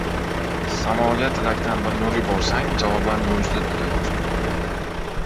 Samoga tilakdan bir nur yuborsang, javoban mo‘jiza to‘kadi osmon.